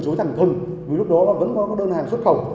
đối thẳng thuần vì lúc đó vẫn có đơn hàng xuất khẩu